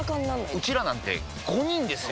ウチらなんて５人ですよ！